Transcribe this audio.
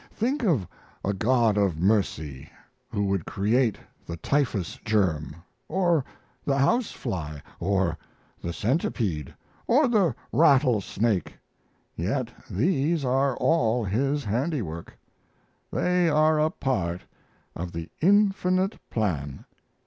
Think of a God of mercy who would create the typhus germ, or the house fly, or the centipede, or the rattlesnake, yet these are all His handiwork. They are a part of the Infinite plan.